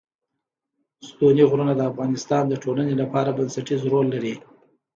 ستوني غرونه د افغانستان د ټولنې لپاره بنسټيز رول لري.